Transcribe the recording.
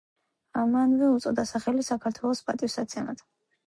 მანვე უწოდა სახელი საქართველოს პატივსაცემად.